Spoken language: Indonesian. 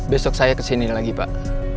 besok saya kesini lagi pak